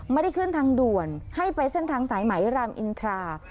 ไม่ได้ขึ้นทางด่วนให้ไปเส้นทางสายไหมรามอินทรา